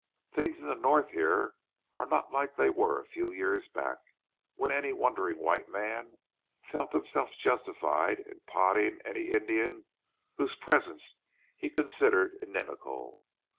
Things in the North here are not like they were a few years back, when any wandering white man felt himself justified in potting any Indian whose presence he considered inimical.